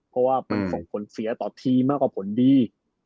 เพราะว่ามันส่งผลเสียต่อทีมมากกว่าผลดี